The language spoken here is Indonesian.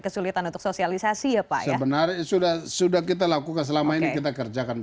kesulitan untuk sosialisasi ya pak sebenarnya sudah sudah kita lakukan selama ini kita kerjakan